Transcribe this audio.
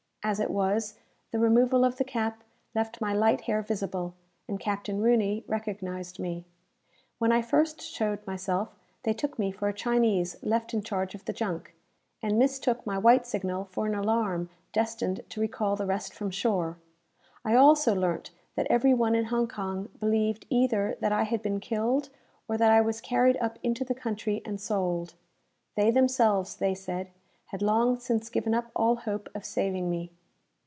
As it was, the removal of the cap left my light hair visible, and Captain Rooney recognized me. When I first showed myself, they took me for a Chinese left in charge of the junk, and mistook my white signal for an alarm destined to recall the rest from shore. I also learnt that every one in Hong Kong believed either that I had been killed, or that I was carried up into the country and sold. They, themselves, they said, had long since given up all hope of saving me.